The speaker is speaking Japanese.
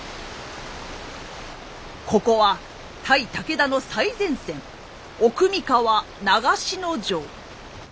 ここは対武田の最前線奥三河・長篠城。